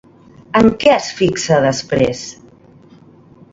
En què es fixa després?